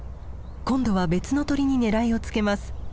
今度は別の鳥に狙いをつけます。